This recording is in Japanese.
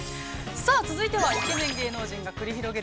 ◆さあ、続いてはイケメン芸能人が繰り広げる